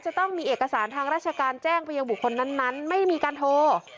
จะต้องมีเอกสารทางราชการแจ้งไปยังบุคคลนั้นไม่มีการโทร